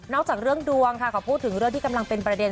จากเรื่องดวงค่ะเขาพูดถึงเรื่องที่กำลังเป็นประเด็น